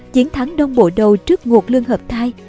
chiến thắng đông bộ đầu trước ngột lương hợp thai